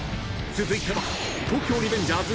［続いては東京リベンジャーズ